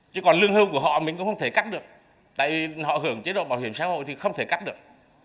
chứ còn lương hưu của họ mình cũng không thể cắt được tại họ hưởng chế độ bảo hiểm xã hội thì không thể cắt được